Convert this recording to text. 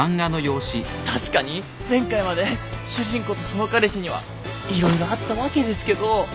確かに前回まで主人公とその彼氏には色々あったわけですけど。